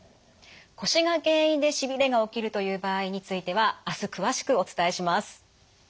腰が原因でしびれが起きるという場合についてはあす詳しくお伝えします。